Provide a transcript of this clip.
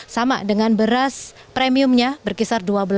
sama dengan beras premiumnya berkisar dua belas